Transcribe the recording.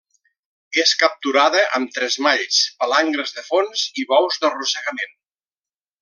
És capturada amb tresmalls, palangres de fons i bous d'arrossegament.